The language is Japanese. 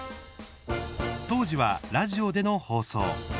当時はラジオでの放送。